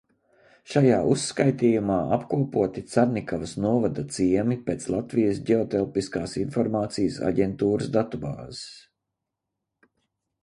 Šajā uzskatījumā apkopoti Carnikavas novada ciemi pēc Latvijas Ģeotelpiskās informācijas aģentūras datubāzes.